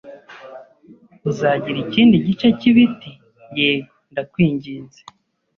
"Uzagira ikindi gice cy'ibiti?" "Yego, ndakwinginze."